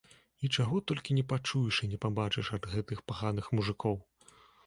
І чаго толькі не пачуеш і не пабачыш ад гэтых паганых мужыкоў!